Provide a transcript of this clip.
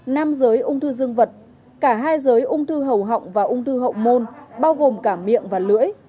nam giới ung thư dương vật cả hai giới ung thư hầu họng và ung thư hậu môn bao gồm cả miệng và lưỡi